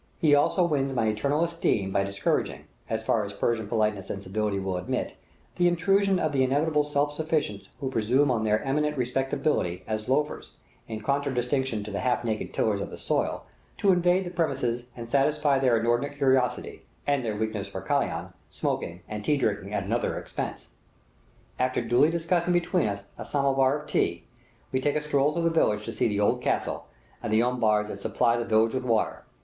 He also wins my eternal esteem by discouraging, as far as Persian politeness and civility will admit, the intrusion of the inevitable self sufficients who presume on their "eminent respectability" as loafers, in contradistinction to the half naked tillers of the soil, to invade the premises and satisfy their inordinate curiosity, and their weakness for kalian, smoking and tea drinking at another's expense. After duly discussing between us a samovar of tea, we take a stroll through the village to see the old castle, and the umbars that supply the village with water.